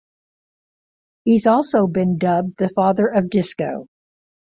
He has also been dubbed the "Father of Disco".